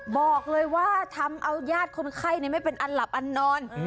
บอกเลยว่าทำเอายาดคนไข้ไม่เป็นอันหลับอันนอน